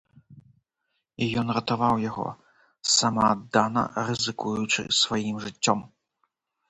І ён ратаваў яго, самааддана рызыкуючы сваім жыццём.